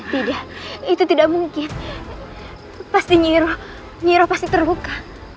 tidak itu tidak mungkin pasti nyiiroh nyiiroh pasti terluka